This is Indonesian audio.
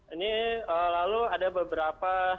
ini lalu ada beberapa